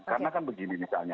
karena kan begini misalnya